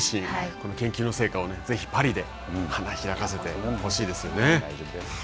この研究の成果をぜひパリで花開かせてほしいですよね。